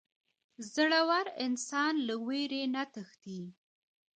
• زړور انسان له وېرې نه تښتي.